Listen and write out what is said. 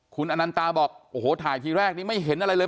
คุณอนันตาบอกโอ้โหถ่ายทีแรกนี้ไม่เห็นอะไรเลย